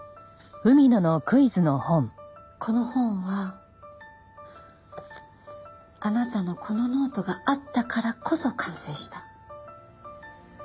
この本はあなたのこのノートがあったからこそ完成した。